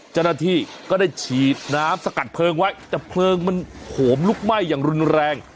เจ้าหน้าที่ก็ได้ฉีดน้ำสกัดเพลิงไว้แต่เพลิงมันโหมลุกไหม้อย่างรุนแรง